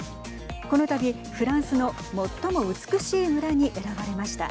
このたび、フランスの最も美しい村に選ばれました。